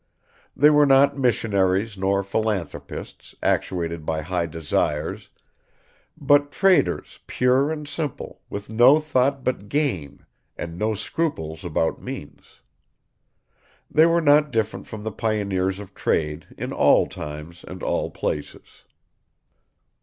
They were not missionaries nor philanthropists, actuated by high desires, but traders pure and simple, with no thought but gain, and no scruples about means. They were not different from the pioneers of trade in all times and all places.